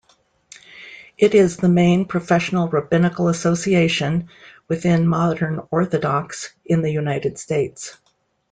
It is the main professional rabbinical association within Modern Orthodox in the United States.